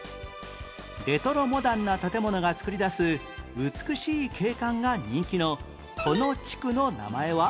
レトロモダンな建物が作り出す美しい景観が人気のこの地区の名前は？